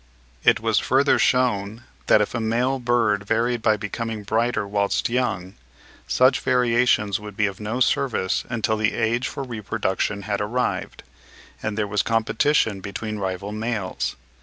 It was further shewn that if a male bird varied by becoming brighter whilst young, such variations would be of no service until the age for reproduction had arrived, and there was competition between rival males.